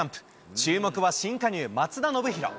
注目は新加入、松田宣浩。